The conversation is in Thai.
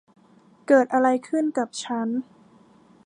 เกิดอะไรขึ้นกับฉัน